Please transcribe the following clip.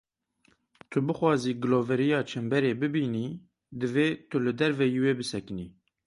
Tu bixwazî giloveriya çemberê bibînî, divê tu li derveyî wê bisekinî.